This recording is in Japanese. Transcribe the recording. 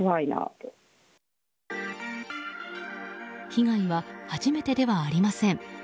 被害は、初めてではありません。